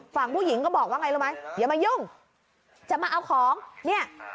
ฝั่งผู้หญิงก็บอกว่าไงรู้ไหมอย่ามายุ่งจะมาเอาของเนี่ย